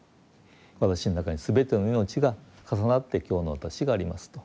私の中に全ての命が重なって今日の私がありますと。